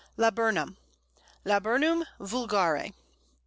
] Laburnum (Laburnum vulgare).